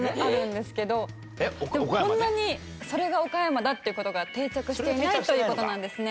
でもそんなにそれが岡山だっていう事が定着していないという事なんですね。